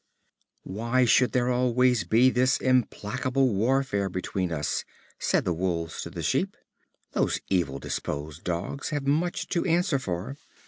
"Why should there always be this implacable warfare between us?" said the Wolves to the Sheep. "Those evil disposed Dogs have much to answer for.